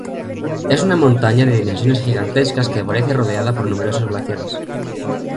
Es una montaña de dimensiones gigantescas que aparece rodeada por numerosos glaciares.